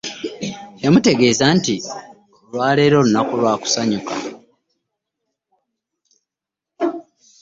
Yamutegeza nti olwalero lunaku lwakusanyuka .